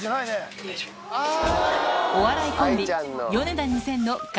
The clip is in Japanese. お笑いコンビ